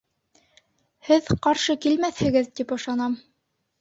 Һеҙ ҡаршы килмәҫһегеҙ, тип ышанам.